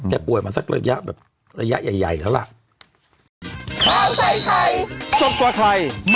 ป่วยมาสักระยะแบบระยะใหญ่แล้วล่ะ